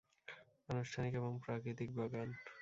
আনুষ্ঠানিক এবং প্রাকৃতিক বাগান।